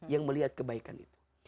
yang melihat kebaikan itu